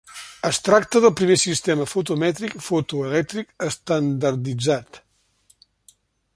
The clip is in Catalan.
Es tracta del primer sistema fotomètric fotoelèctric estandarditzat.